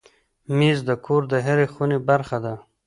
مېز د کور د هرې خونې برخه ده.